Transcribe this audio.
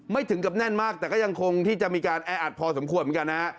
ถึงกับแน่นมากแต่ก็ยังคงที่จะมีการแออัดพอสมควรเหมือนกันนะฮะ